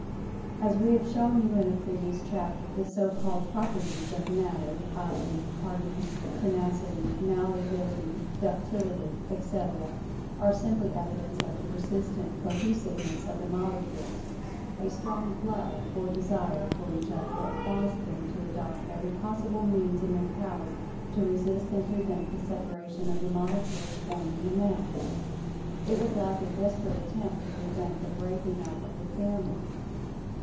As we have shown you in a previous chapter, the so called "properties" of Matter, i.e., Hardness, Tenacity, Malleability, Ductility, etc., are simply evidence of a persistent Cohesiveness of the Molecules—a strong "love" or "desire" for each other that caused them to adopt every possible means in their power to resist, and prevent, the separation of the Molecules forming the mass. It was like a desperate attempt to prevent the "breaking up of the family."